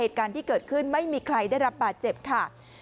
เหตุการณ์ที่เกิดขึ้นไม่มีใครได้รับบาดเจ็บค่ะ